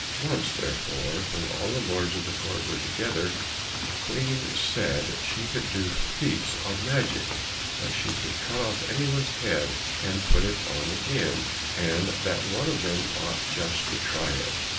Once, therefore, when all the lords of the court were together, the Queen said she could do feats of magic, that she could cut off any one's head and put it on again, and that one of them ought just to try it.